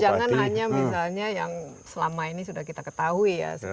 jangan hanya misalnya yang selama ini sudah kita ketahui ya